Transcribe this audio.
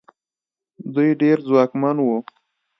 دوی ډېر ځواکمن وو.